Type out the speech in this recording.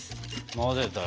混ぜたよ。